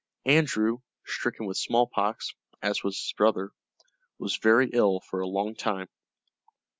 Andrew, stricken with smallpox, as was his brother, was very ill for a long time.